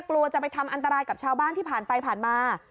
กลัวจะไปทำอันตรายกับชาวบ้านที่ผ่านไปผ่านมา